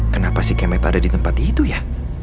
kenapa sih kemet ada di tempat itu ya